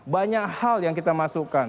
banyak hal yang kita masukkan